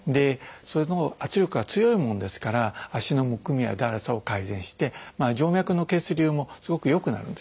圧力が強いもんですから足のむくみやだるさを改善して静脈の血流もすごく良くなるんですね。